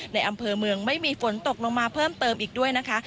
ในอำเภอเมืองไม่มีฝนตกลงมาเพิ่มเติมอีกด้วยนะคะ